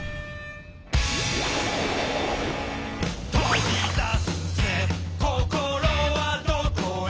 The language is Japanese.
「飛び出すぜ心はどこへ」